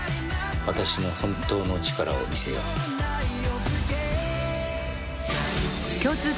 「私の本当の力を見せよう」